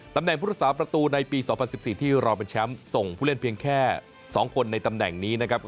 ผู้รักษาประตูในปี๒๐๑๔ที่เราเป็นแชมป์ส่งผู้เล่นเพียงแค่๒คนในตำแหน่งนี้นะครับ